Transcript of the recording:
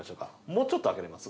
もうちょっと開けれます？